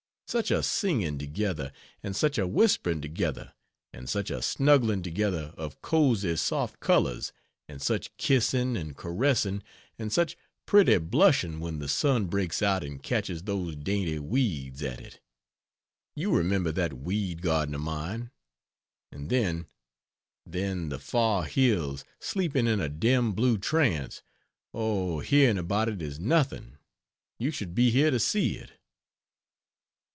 Such a singing together, and such a whispering together, and such a snuggling together of cosy soft colors, and such kissing and caressing, and such pretty blushing when the sun breaks out and catches those dainty weeds at it you remember that weed garden of mine? and then then the far hills sleeping in a dim blue trance oh, hearing about it is nothing, you should be here to see it.